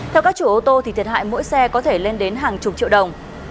theo các chủ ô tô thì thiệt hại mỗi xe có thể lên đến hàng chục triệu đồng